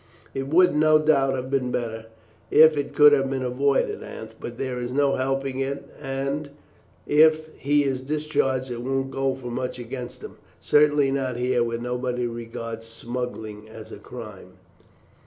"It would, no doubt, have been better if it could have been avoided, Aunt, but there is no helping it; and if he is discharged it won't go for much against him certainly not here, where nobody regards smuggling as a crime."